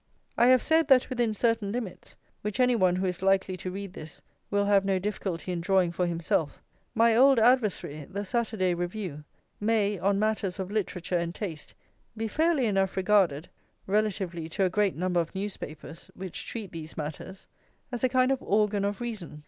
I have said that within certain limits, which any one who is likely to read this will have no difficulty in drawing for himself, my old adversary, the Saturday Review, may, on matters of literature and taste, be fairly enough regarded, relatively to a great number of newspapers which treat these matters, as a kind of organ of reason.